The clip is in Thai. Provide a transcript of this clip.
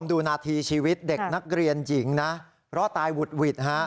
ดูนาทีชีวิตเด็กนักเรียนหญิงนะรอดตายหุดหวิดฮะ